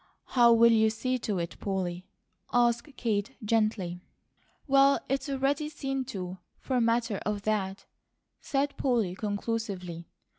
"How will you see to it, Polly?" asked Kate, gently. "Well, it's already seen to, for matter of that," said Polly conclusively.